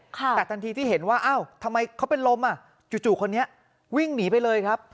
แต่ทันทีที่เห็นว่าอ้าวทำไมเขาเป็นลมอ่ะจู่คนนี้วิ่งหนีไปเลยครับ